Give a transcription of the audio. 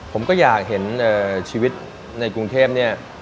ผมก็อยากเห็นชีวิตในกรุงเทพเนี่ย